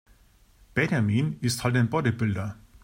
Benjamin ist halt ein Bodybuilder.